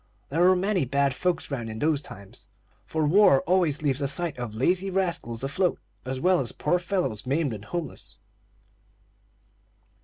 There were many bad folks 'round in those times; for war always leaves a sight of lazy rascals afloat, as well as poor fellows maimed and homeless.